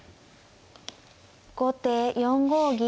後手４五銀。